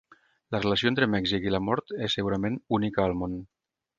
La relació entre Mèxic i la mort és, segurament, única al món.